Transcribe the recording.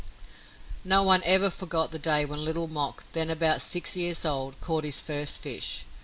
No one ever forgot the day when Little Mok, then about six years old, caught his first fish.